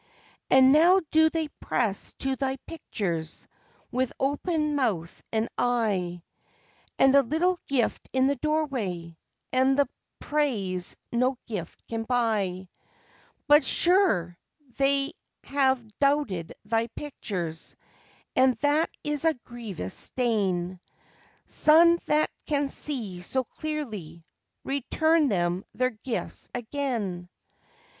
"And now do they press to thy pictures, with open mouth and eye, And a little gift in the doorway, and the praise no gift can buy: But sure they have doubted thy pictures, and that is a grievous stain Son that can see so clearly, return them their gifts again."